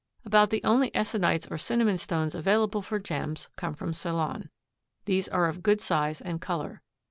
About the only essonites or cinnamon stones available for gems come from Ceylon. These are of good size and color.